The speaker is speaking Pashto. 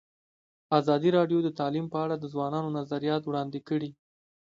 ازادي راډیو د تعلیم په اړه د ځوانانو نظریات وړاندې کړي.